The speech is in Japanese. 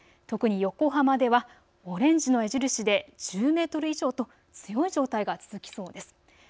特に横浜ではオレンジの矢印で１０メートル以上と強い状態が続きそうです。